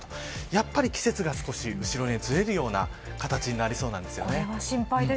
やっぱり季節が少し後ろにずれるような形になりそうです。